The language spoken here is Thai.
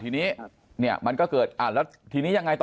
ทีนี้ยังไงต่อ